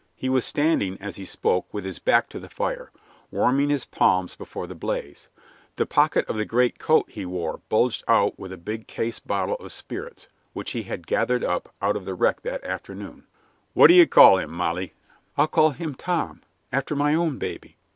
He was standing, as he spoke, with his back to the fire, warming his palms before the blaze. The pocket of the greatcoat he wore bulged out with a big case bottle of spirits which he had gathered up out of the wreck that afternoon. "What d'ye call him, Molly?" "I'll call him Tom, after my own baby."